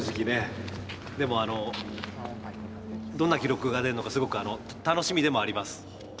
でもあのどんな記録が出るのかすごく楽しみでもあります。